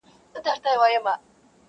o په رګو کي د وجود مي لکه وینه,